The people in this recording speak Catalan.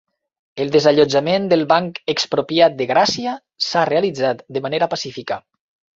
El desallotjament del Banc Expropiat de Gràcia s'ha realitzat de manera pacífica